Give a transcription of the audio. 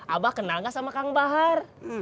abah kenal gak sama kang bahar